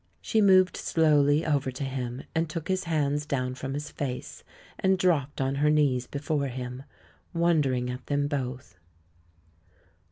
She moved slowly over to him, and took his hands down from his face, and dropped on her knees before him — wondering at them both.